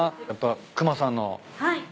やっぱ隈さんの。